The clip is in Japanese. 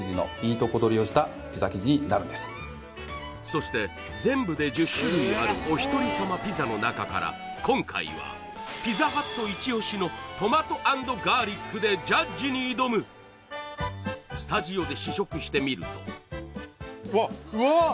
そして全部で１０種類あるおひとり様ピザの中から今回はピザハットイチ押しのでジャッジに挑むスタジオで試食してみるとうわうわっ！